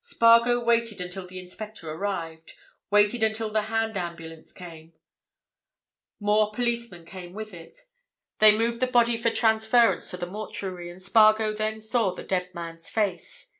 Spargo waited until the inspector arrived; waited until the hand ambulance came. More policemen came with it; they moved the body for transference to the mortuary, and Spargo then saw the dead man's face.